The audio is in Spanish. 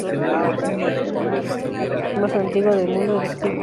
Es la Academia militar más antigua del mundo en activo.